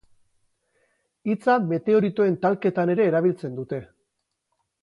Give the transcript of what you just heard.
Hitza meteoritoen talketan ere erabiltzen dute.